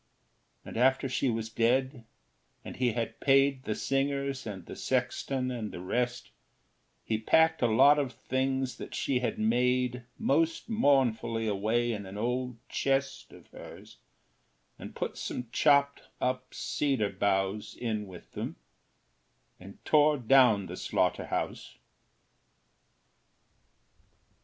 And after she was dead, and he had paid The singers and the sexton and the rest, He packed a lot of things that she had made Most mournfully away in an old chest Of hers, and put some chopped up cedar boughs In with them, and tore down the slaughter house.